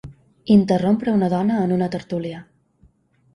Interrompre una dona en una tertúlia.